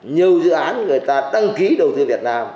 nhiều dự án người ta đăng ký đầu tư việt nam